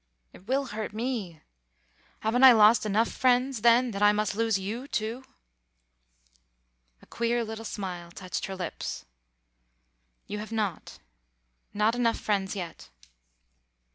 It will hurt me. Haven't I lost enough friends, then, that I must lose you, too?" A queer little smile touched her lips. "You have not. Not enough friends yet.